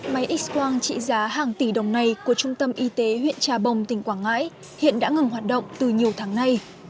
máy x quang trị giá hàng tỷ đồng này của trung tâm y tế huyện trà bồng tỉnh quảng ngãi hiện đã ngừng hoạt động từ nhiều tháng nay